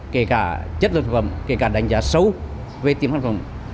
kể cả chất lượng sản phẩm kể cả đánh giá xấu về tiêm sản phẩm